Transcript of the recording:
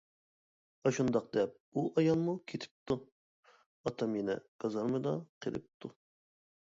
ئاشۇنداق دەپ ئۇ ئايالمۇ كېتىپتۇ، ئاتام يەنە گازارمىدا قېلىپتۇ.